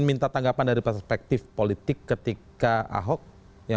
menang badan desa bukit lepang